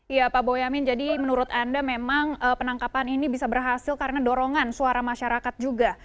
iya pak boyamin jadi menurut anda memang penangkapan ini bisa berhasil karena dorongan suara masyarakat juga